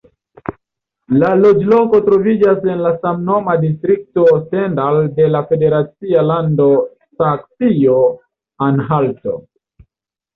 La loĝloko troviĝas en la samnoma distrikto Stendal de la federacia lando Saksio-Anhalto.